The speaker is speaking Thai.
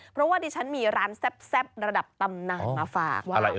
เพราะว่าดิฉันมีร้านแซ่บระดับตำนานมาฝาก